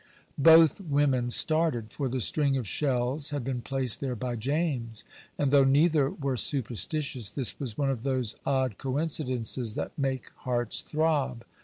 Both women started, for the string of shells had been placed there by James; and though neither were superstitious, this was one of those odd coincidences that make hearts throb.